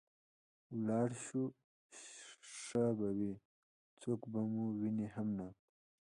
ولاړ شو ښه به وي، څوک به مو ویني هم نه.